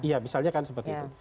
iya misalnya kan seperti itu